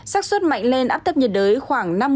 sắc xuất mạnh lên áp thấp nhiệt đới khoảng năm mươi sáu mươi